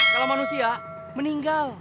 kalau manusia meninggal